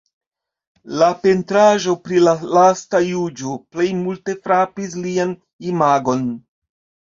La pentraĵo pri la Lasta Juĝo plej multe frapis lian imagon.